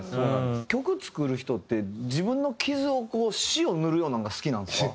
曲作る人って自分の傷をこう塩塗るようなのが好きなんですか？